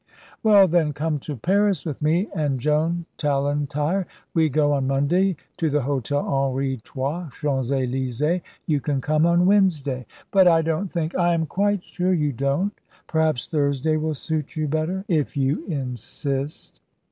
"Well, then, come to Paris with me and Joan Tallentire. We go on Monday to the Hotel Henri Trois, Champs Élysées. You can come on Wednesday." "But I don't think " "I am quite sure you don't. Perhaps Thursday will suit you better." "If you insist."